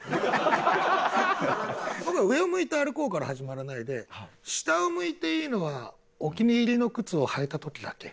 僕は「上を向いて歩こう」から始まらないで「下を向いていいのはお気に入りの靴を履いた時だけ」。